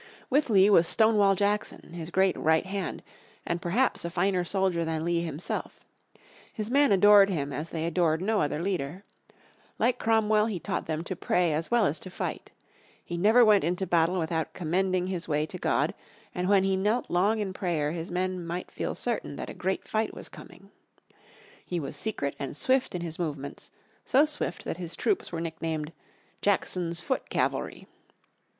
With Lee was Stonewall Jackson, his great "right hand," and perhaps a finer soldier than Lee himself. His men adored him as they adored no other leader. Like Cromwell he taught them to pray as well as to fight. He never went into battle without commending his way to God, and when he knelt long in prayer his men might feel certain that a great fight was coming. He was secret and swift in his movements, so swift that his troops were nicknamed "Jackson's foot cavalry."